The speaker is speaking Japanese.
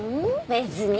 別に。